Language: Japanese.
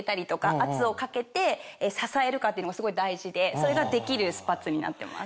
圧をかけて支えるかっていうのがすごい大事でそれができるスパッツになってます。